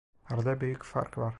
Arada büyük fark var.